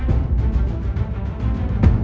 aku ingin menerima keadaanmu